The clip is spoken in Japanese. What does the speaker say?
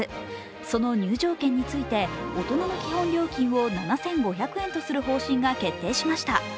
その入場券について大人の基本料金を７５００円とする方針が決定しました。